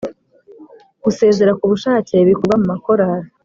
Gusezera ku bushake bikorwa mumakorali